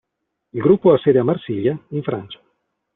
Il gruppo ha sede a Marsiglia, in Francia.